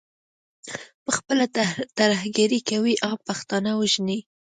پخپله ترهګري کوي، عام پښتانه وژني.